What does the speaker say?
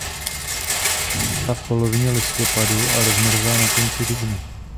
Zamrzá v polovině listopadu a rozmrzá na konci dubna.